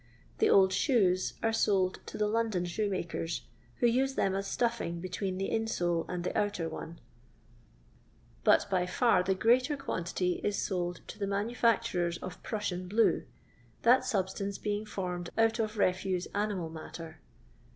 ■ The old shoes are sold to the London shoemakers, who use them as stuffing between the in sole and the outer one ; but by far the greater quantity is sold to the manufiicturers of Prussian blue, that substance being formed out of refuse animal matter.